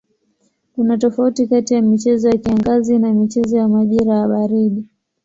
Kuna tofauti kati ya michezo ya kiangazi na michezo ya majira ya baridi.